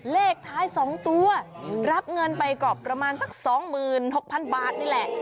เลขท้ายสองตัวรับเงินไปกรอบประมาณสักสองหมื่นหกพันบาทนี่แหละ